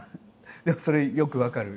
でもそれよく分かる。